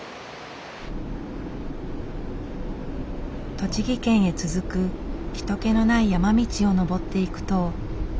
栃木県へ続く人けのない山道を上っていくと。